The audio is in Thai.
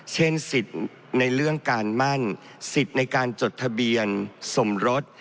เช่นสิทธิ์ในเรื่องการมั่นสิทธิ์ในการจดทะเบียนสมรส